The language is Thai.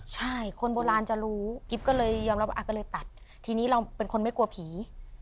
ใช่คนโบราณจะรู้กิ๊บก็เลยยอมรับว่าก็เลยตัดทีนี้เราเป็นคนไม่กลัวผี